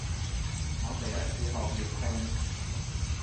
我第一次學粵拼